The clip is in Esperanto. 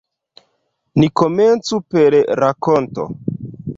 Ni komencu per rakonto.